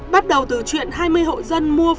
bắt đầu từ chuyện hai mươi hộ dân mua phụ nữ